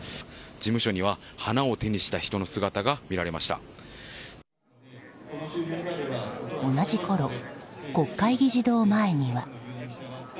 事務所には花を手にした人の姿が同じころ、国会議事堂前には。